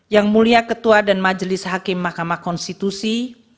yang mulia ketua dan majelis hakim mahkamah konstitusi